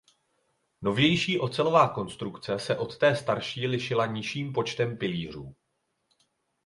Novější ocelová konstrukce se od té starší lišila nižším počtem pilířů.